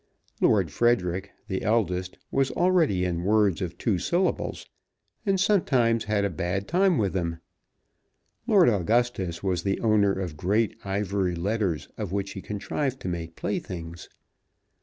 Lord Frederic, the eldest, was already in words of two syllables, and sometimes had a bad time with them. Lord Augustus was the owner of great ivory letters of which he contrived to make playthings.